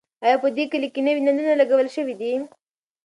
ایا په دې کلي کې نوي نلونه لګول شوي دي؟